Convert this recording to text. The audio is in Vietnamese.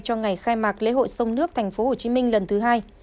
cho ngày khai mạc lễ hội sông nước tp hcm lần thứ hai